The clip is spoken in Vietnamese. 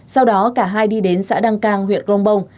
sau đó cả hai đi đến xã đăng cang huyện crongbong